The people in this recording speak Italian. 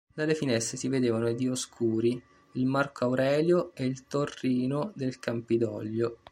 Dalle finestre si vedevano i Dioscuri, il Marco Aurelio e il torrino del Campidoglio.